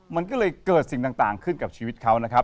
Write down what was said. มันก็เลยเกิดสิ่งต่างขึ้นกับชีวิตเขานะครับ